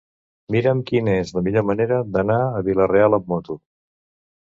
Mira'm quina és la millor manera d'anar a Vila-real amb moto.